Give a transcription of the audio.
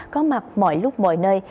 có mặt mọi lúc mọi nơi